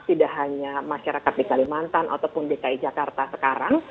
tidak hanya masyarakat di kalimantan ataupun dki jakarta sekarang